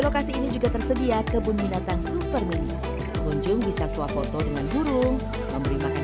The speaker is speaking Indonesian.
lokasi ini juga tersedia kebun binatang supermen kunjung bisa swap foto dengan burung memberi makan